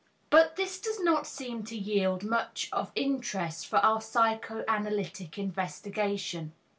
But this does not seem to yield much of interest for our psychoanalytic investigation.